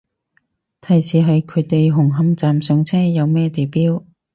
提示係佢哋紅磡站上車，有咩地標